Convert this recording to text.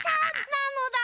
なのだ。